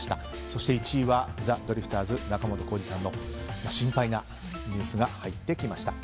そして１位はザ・ドリフターズ仲本工事さんの心配なニュースが入ってきました。